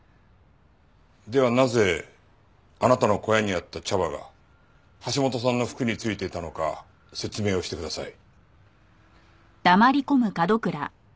ではなぜあなたの小屋にあった茶葉が橋本さんの服に付いていたのか説明をしてください。